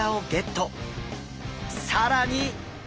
更に！